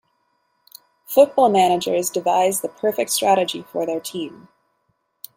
Football managers devise the perfect strategy for their team.